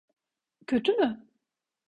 Kötü mü?